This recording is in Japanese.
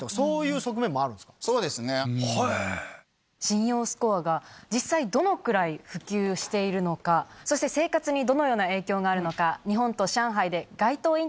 信用スコアが実際どのくらい普及しているのかそして生活にどのような影響があるのか。をして来ました